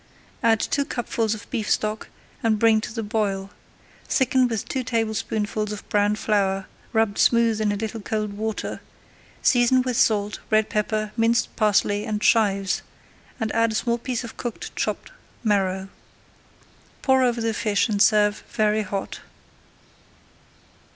Add two cupfuls of beef stock and bring to the boil. Thicken with two tablespoonfuls of browned flour rubbed smooth in a little cold water, season with salt, red pepper, minced parsley, and chives, and add a small piece of cooked chopped marrow. Pour over the fish and serve very hot.